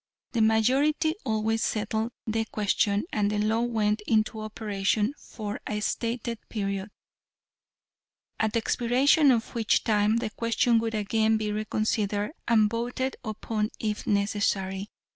The majority always settled the question, and the law went into operation for a stated period, at the expiration of which time the question would again be reconsidered and voted upon if necessary.